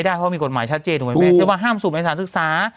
เพราะมีกฎหมายชัดเจนถูกไหมแม่เชื่อว่าห้ามสูบในสถานศึกษา